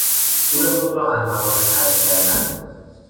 پول خود را احمقانه خرج کردن